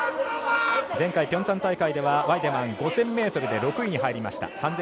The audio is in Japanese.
前回ピョンチャン大会ではワイデマン５０００ｍで６位に入りました。